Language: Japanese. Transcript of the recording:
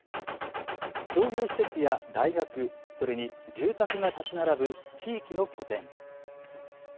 商業施設や大学、それに住宅が建ち並ぶ地域の拠点。